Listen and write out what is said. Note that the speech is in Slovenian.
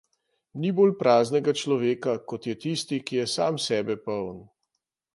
Ni bolj praznega človeka, kot je tisti, ki je sam sebe poln.